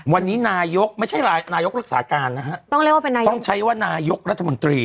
วันนี้นายกไม่ใช่นายกรักษาการนะฮะต้องใช้ว่านายกรัฐมนตรี